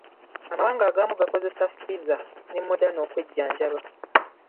Amawanga agamu gakozesa Pfizer ne Modana okwejjanjaba.